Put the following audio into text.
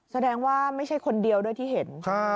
แสดงว่าไม่ใช่คนเดียวด้วยที่เห็น